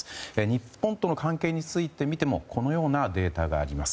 日本との関係について見てもこのようなデータがあります。